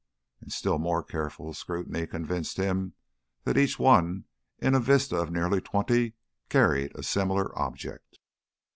And a still more careful scrutiny convinced him that each one in a vista of nearly twenty carried a similar object.